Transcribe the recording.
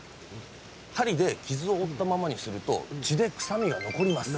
針で傷を負ったままにすると血で臭みが残ります。